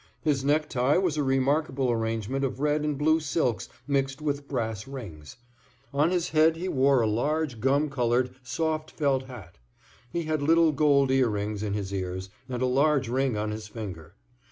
His necktie was a remarkable arrangement of red and blue silks mixed with brass rings. On his head he wore a large, gum colored, soft felt hat. He had little gold ear rings in his ears, and a large ring on his finger.